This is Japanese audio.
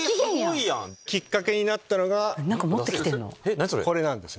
きっかけになったのがこれなんです。